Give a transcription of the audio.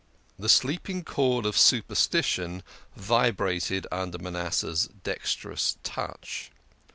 The sleeping chord of superstition vibrated under Manas seh's dexterous touch.